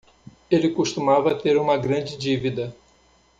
Ele costumava ter uma grande dívida